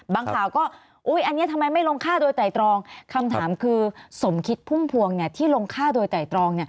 ข่าวก็อันนี้ทำไมไม่ลงฆ่าโดยไตรตรองคำถามคือสมคิดพุ่มพวงที่ลงฆ่าโดยไตรตรอง